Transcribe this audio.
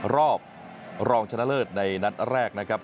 รอบรองชนะเลิศในนัดแรกนะครับ